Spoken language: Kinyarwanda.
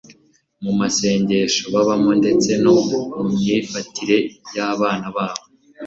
mu masengesho babamo, ndetse no mu myifatire y'abana babo